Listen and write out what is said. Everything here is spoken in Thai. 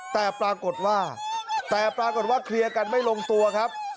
แต่ปรากฏว่าแต่ปรากฏว่าเคลียร์กันไม่ลงตัวครับ